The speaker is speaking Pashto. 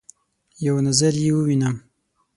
یو نظر يې ووینم